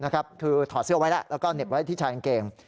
คือถอดเสื้อไว้แล้วแล้วก็เหน็บไว้ที่ชายกางเกง